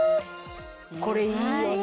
これいいよね！